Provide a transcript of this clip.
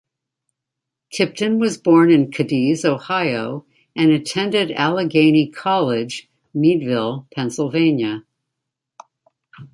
Tipton was born in Cadiz, Ohio, and attended Allegheny College, Meadville, Pennsylvania.